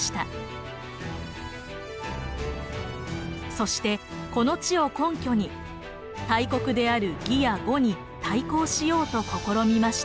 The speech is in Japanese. そしてこの地を根拠に大国である魏や呉に対抗しようと試みました。